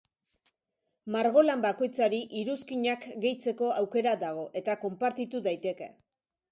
Margolan bakoitzari iruzkinak gehitzeko aukera dago eta konpartitu daiteke.